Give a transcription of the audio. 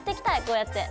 こうやって。